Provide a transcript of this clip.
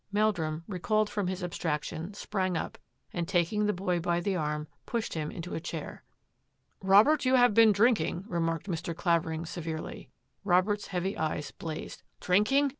" Meldrum, recalled from his abstraction, sprang up, and taking the boy by the arm, pushed him into a chair. " Robert, you have been drinking," remarked Mr. Clavering severely. Robert's heavy eyes blazed. " Drinking